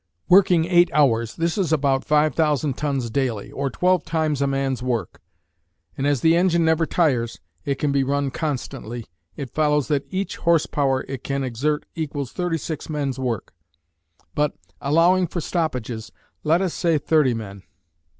Working eight hours, this is about 5,000 tons daily, or twelve times a man's work, and as the engine never tires, and can be run constantly, it follows that each horse power it can exert equals thirty six men's work; but, allowing for stoppages, let us say thirty men.